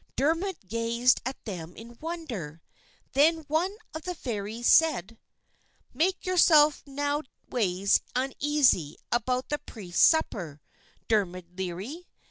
Dermod gazed at them in wonder; then one of the Fairies said: "Make yourself noways uneasy about the Priest's supper, Dermod Leary.